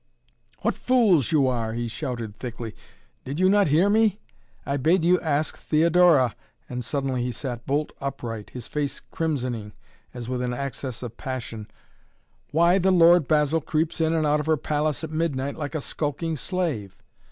"What fools you are!" he shouted thickly. "Did you not hear me? I bade you ask Theodora," and suddenly he sat bolt upright, his face crimsoning as with an access of passion, "why the Lord Basil creeps in and out her palace at midnight like a skulking slave?